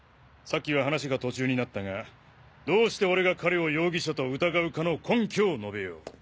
さっきは話が途中になったがどうして俺が彼を容疑者と疑うかの根拠を述べよう。